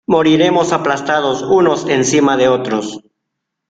moriremos aplastados unos encima de otros.